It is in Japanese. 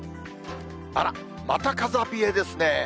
あら、また風冷えですね。